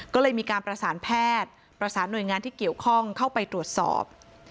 ก็เลยมีการประสานแพทย์ประสานหน่วยงานที่เกี่ยวข้องเข้าไปตรวจสอบ